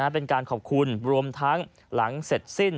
เป็นการขอบคุณรวมทั้งหลังเสร็จสิ้น